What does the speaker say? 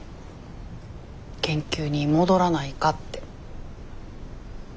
研究に戻らないかって。